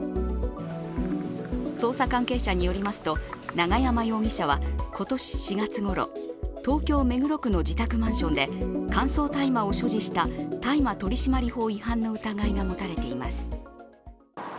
捜査関係者によりますと、永山容疑者は今年４月ごろ東京・目黒区の自宅マンションで乾燥大麻を所持した大麻取締法違反の疑いが持たれています。